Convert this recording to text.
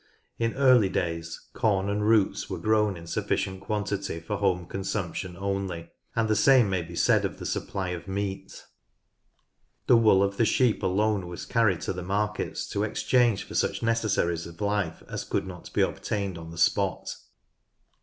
In early days corn and roots were grown in sufficient quantity for home consumption only, and the same may be said of the supply of meat. The wool of the sheep alone was carried to the markets to exchange for such necessaries of life as AGRICULTURE FORESTRY 91 could not be obtained on the spot.